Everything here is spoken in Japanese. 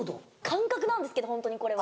感覚なんですけどホントにこれは。